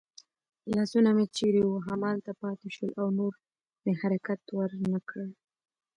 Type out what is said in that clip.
لاسونه مې چېرې وو همالته پاتې شول او نور مې حرکت ور نه کړ.